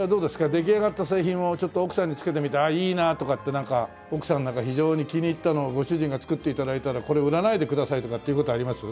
出来上がった製品をちょっと奥さんにつけてみて「ああいいな」とかってなんか奥さんが非常に気に入ったのをご主人が作って頂いたら「これ売らないでください」とかって言う事あります？